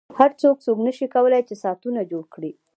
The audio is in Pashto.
خو هر څوک نشي کولای چې ساعتونه جوړ کړي